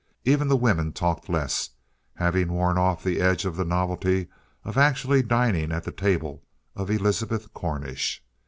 Even the women talked less, having worn off the edge of the novelty of actually dining at the table of Elizabeth Cornish.